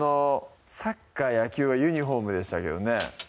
サッカー・野球はユニフォームでしたけどね